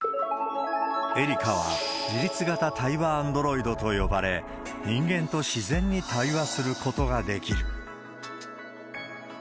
エリカは、自立型対話アンドロイドと呼ばれ、人間と自然に対話することができる。